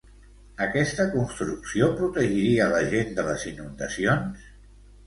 Aquesta construcció protegiria la gent de les inundacions?